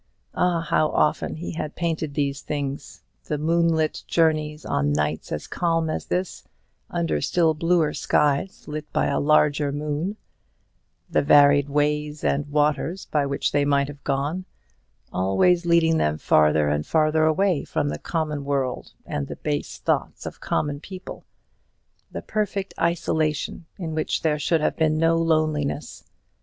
Ah, how often he had painted these things; the moonlit journeys on nights as calm as this, under still bluer skies lit by a larger moon; the varied ways and waters by which they might have gone, always leading them farther and farther away from the common world and the base thoughts of common people; the perfect isolation in which there should have been no loneliness!